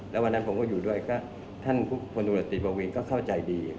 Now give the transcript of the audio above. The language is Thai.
แล้ววันนั้นผมก็อยู่ด้วยก็ท่านพลตรวจตรีปวีนก็เข้าใจดี